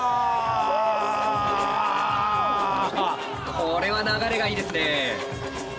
これは流れがいいですね。